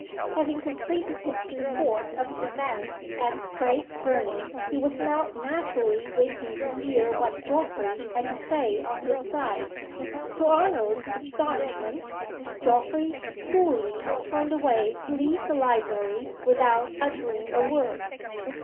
Having completed his report of events at Craig Fernie, he was now naturally waiting to hear what Geoffrey had to say on his side. To Arnold's astonishment, Geoffrey coolly turned away to leave the library without uttering a word.